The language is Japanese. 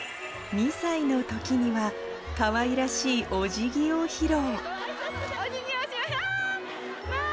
２歳のときには、かわいらしいおじぎを披露。